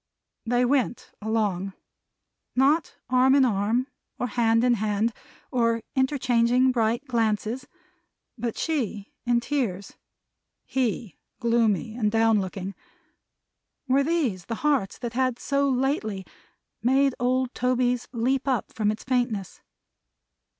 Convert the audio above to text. They went along. Not arm in arm, or hand in hand, or interchanging bright glances; but she in tears; he gloomy and down looking. Were these the hearts that had so lately made old Toby's leap up from its faintness?